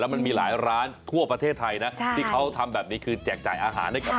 มันมีหลายร้านทั่วประเทศไทยนะที่เขาทำแบบนี้คือแจกจ่ายอาหารให้กับ